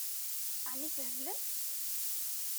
Ɛni theblem?